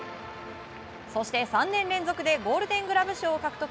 そして、３年連続でゴールデングラブ賞を獲得した